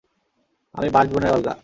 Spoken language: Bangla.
আমি বার্চ বনের অলগা।